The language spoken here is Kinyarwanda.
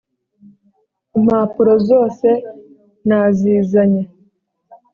impapuro zose nazizanye .